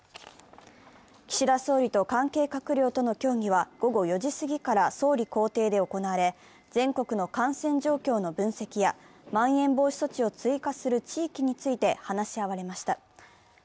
岸田総理と関係閣僚との協議は午後４時すぎから総理公邸で行われ、全国の感染状況の分析やまん延防止措置を追加する地域について話し合われました。